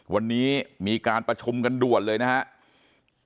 วันนี้มีการประชุมกันด่วนเลยนะครับ